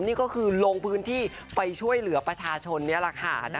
นี่ก็คือลงพื้นที่ไปช่วยเหลือประชาชนนี่แหละค่ะ